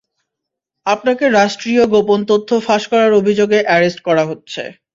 আপনাকে রাষ্ট্রীয় গোপন তথ্য ফাঁস করার অভিযোগে অ্যারেস্ট করা হচ্ছে!